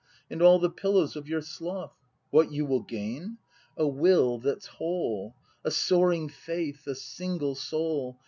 And all the pillows of your sloth! What you will gain ? A will that's whole, — A soaring faith, a single soul.